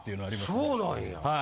そうなんや。